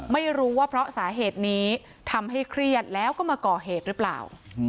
ไม่รู้ว่าเพราะสาเหตุนี้ทำให้เครียดแล้วก็มาก่อเหตุหรือเปล่า